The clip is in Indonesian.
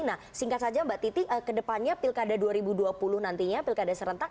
nah singkat saja mbak titi ke depannya pilkada dua ribu dua puluh nantinya pilkada serentak